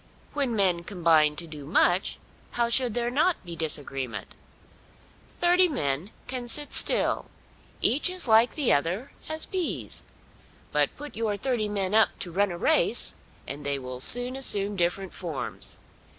When men combine to do much, how should there not be disagreement? Thirty men can sit still, each as like the other as peas. But put your thirty men up to run a race, and they will soon assume different forms.